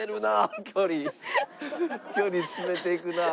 距離詰めていくなあ。